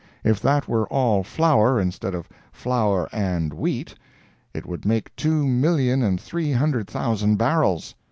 If that were all flour, instead of flour "and wheat," it would make two million and three hundred thousand barrels.